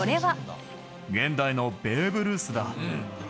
現代のベーブ・ルースだ。